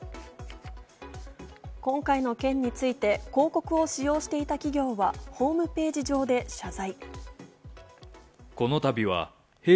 今回の件について広告を使用していた企業はホームページ上で謝罪。